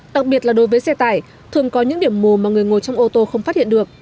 đặc biệt là đối với xe tải thường có những điểm mù mà người ngồi trong ô tô không phát hiện được